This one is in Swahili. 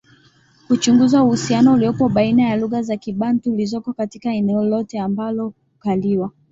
kuchunguza uhusiano uliopo baina ya lugha za Kibantu zilizoko katika eneo lote ambalo hukaliwa